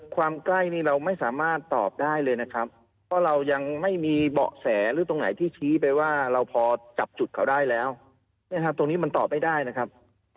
ความใกล้นี่เราไม่สามารถตอบได้เลยนะครับเพราะเรายังไม่มีเบาะแสหรือตรงไหนที่ชี้ไปว่าเราพอจับจุดเขาได้แล้วนะครับตรงนี้มันตอบไม่ได้นะครับ